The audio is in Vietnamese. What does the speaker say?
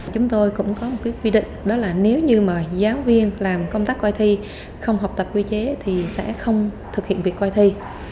chúng tôi cũng có một quy định đó là nếu như mà giáo viên làm công tác coi thi không học tập quy chế thì sẽ không thực hiện việc quay thi